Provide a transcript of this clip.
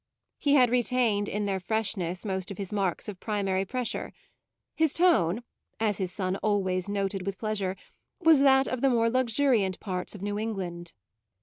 He had retained in their freshness most of his marks of primary pressure; his tone, as his son always noted with pleasure, was that of the more luxuriant parts of New England.